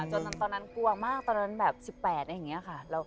ใช่ค่ะจนตอนนั้นกลัวมากตอนนั้นแบบ๑๘อย่างนี้ค่ะ